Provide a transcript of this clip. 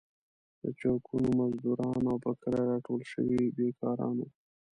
د چوکونو مزدوران او په کرايه راټول شوي بېکاران وو.